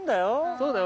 ・そうだよ